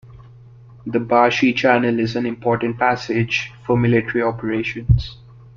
The Bashi Channel is an important passage for military operations.